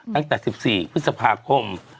ตั้งแต่๑๔พฤษภาคม